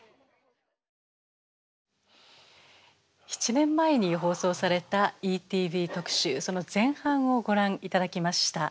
７年前に放送されたＥＴＶ特集その前半をご覧頂きました。